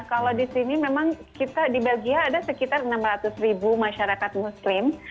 kalau di sini memang kita di belgia ada sekitar enam ratus ribu masyarakat muslim